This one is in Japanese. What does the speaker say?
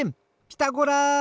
「ピタゴラ」！